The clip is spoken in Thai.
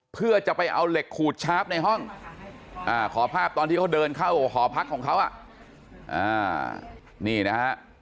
เพื่อจะไปเอาเหล็กขูดชาร์ฟในห้องขอภาพตอนที่เขาเดินเข้าหอพักของเขานี่นะฮะ